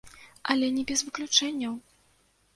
Але не без выключэнняў.